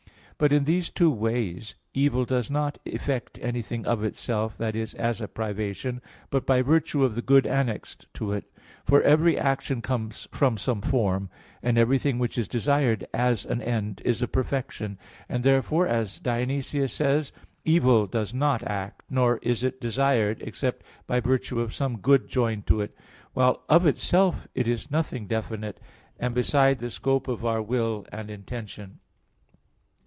But in these two ways evil does not effect anything of itself, that is, as a privation, but by virtue of the good annexed to it. For every action comes from some form; and everything which is desired as an end, is a perfection. And therefore, as Dionysius says (Div. Nom. iv): "Evil does not act, nor is it desired, except by virtue of some good joined to it: while of itself it is nothing definite, and beside the scope of our will and intention."